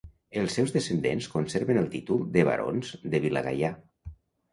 Els seus descendents conserven el títol de barons de Vilagaià.